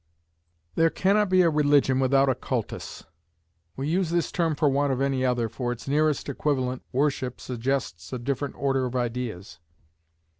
There cannot be a religion without a cultus. We use this term for want of any other, for its nearest equivalent, worship, suggests a different order of ideas.